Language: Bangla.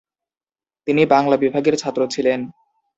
তিনি বাংলা বিভাগের ছাত্র ছিলেন।